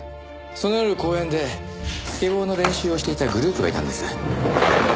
その夜公園でスケボーの練習をしていたグループがいたんです。